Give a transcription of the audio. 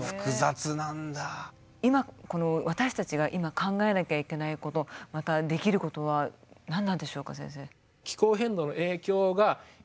今こう私たちが今考えなきゃいけないことまたできることは何なんでしょうか先生。